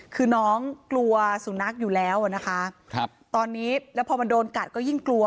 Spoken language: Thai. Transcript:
คือน้องกลัวสุนัขอยู่แล้วอ่ะนะคะครับตอนนี้แล้วพอมันโดนกัดก็ยิ่งกลัว